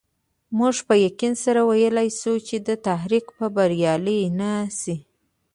موږ په یقین سره ویلای شو چې دا تحریک به بریالی نه شي.